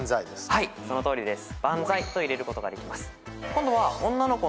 はいそのとおりです。